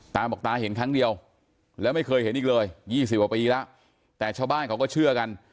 ตาบอกตาเห็นครั้งเดียวแล้วไม่เคยเห็นอีกเลย๒๐กว่าปีแล้วแต่ชาวบ้านเขาก็เชื่อกัน